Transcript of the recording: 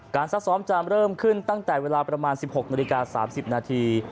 ซักซ้อมจะเริ่มขึ้นตั้งแต่เวลาประมาณ๑๖นาฬิกา๓๐นาที